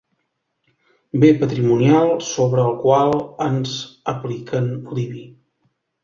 Be patrimonial sobre el qual ens apliquen l'IBI.